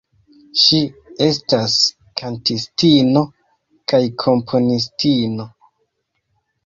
Ŝi estas kantistino kaj komponistino.